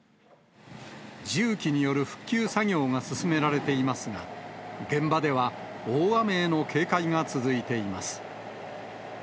重機による復旧作業が進められていますが、現場では大雨への警戒が続いています。